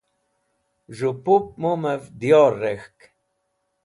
z̃hu pup mum'ev dyor rek̃hk